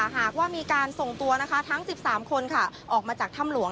หากว่ามีการส่งตัวทั้ง๑๓คนออกมาจากถ้ำหลวง